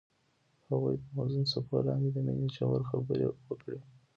هغوی د موزون څپو لاندې د مینې ژورې خبرې وکړې.